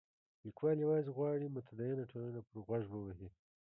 لیکوال یوازې غواړي متدینه ټولنه پر غوږ ووهي.